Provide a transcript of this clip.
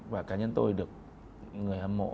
và cá nhân tôi được người hâm mộ